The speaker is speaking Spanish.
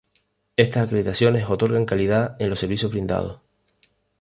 Estas acreditaciones otorgan calidad en los servicios brindados.